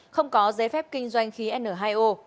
không có giấy phép kinh doanh khí n hai o